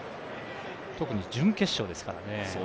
特に準決勝ですからね。